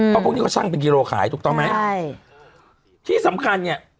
เพราะพวกนี้เขาช่างเป็นกิโลขายถูกต้องไหมใช่ที่สำคัญเนี้ย